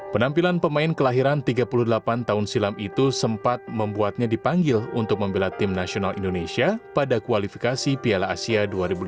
penampilan pemain kelahiran tiga puluh delapan tahun silam itu sempat membuatnya dipanggil untuk membela tim nasional indonesia pada kualifikasi piala asia dua ribu lima belas